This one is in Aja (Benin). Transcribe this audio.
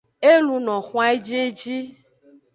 E luno xwan ejieji.